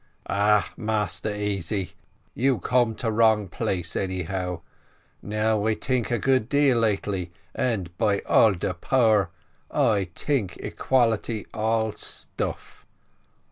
"Eh, Massa Easy, you come to wrong place anyhow; now I tink a good deal lately, and by all de power, I tink equality all stuff."